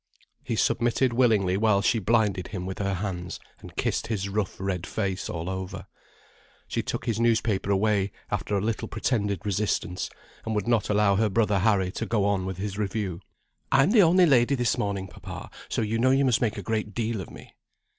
He submitted willingly while she blinded him with her hands, and kissed his rough red face all over. She took his newspaper away after a little pretended resistance, and would not allow her brother Harry to go on with his review. "I'm the only lady this morning, papa, so you know you must make a great deal of me."